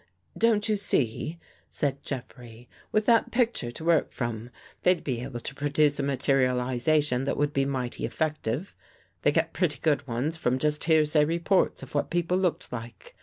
" Don't you see," said Jeffrey, " with that picture to work from, they'd be able to produce a materiali 83 THE GHOST GIRL zation that would be mighty effective, They get pretty good ones just from hearsay reports of what people looked like.